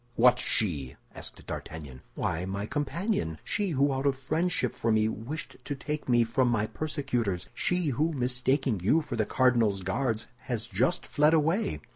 _ What she?" asked D'Artagnan. "Why, my companion. She who out of friendship for me wished to take me from my persecutors. She who, mistaking you for the cardinal's Guards, has just fled away."